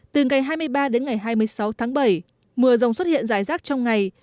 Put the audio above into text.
từ ngày hai mươi ba đến ngày hai mươi sáu tháng bảy mưa rồng xuất hiện rải rác trong ngày